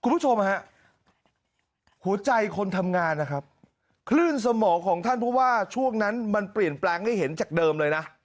คุณผู้ชมฮะหัวใจคนทำงานนะครับคลื่นสมองของท่านเพราะว่าช่วงนั้นมันเปลี่ยนแปลงให้เห็นจากเดิมเลยนะ